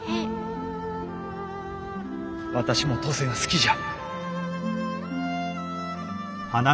私も登勢が好きじゃ。